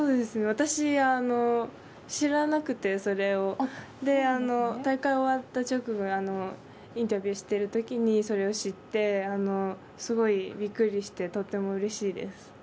私、知らなくて、それを大会終わった直後インタビューしているときにそれを知ってすごいびっくりしてとてもうれしいです。